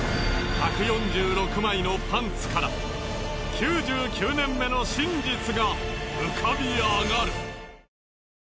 １４６枚のパンツから９９年目の真実が浮かび上がる。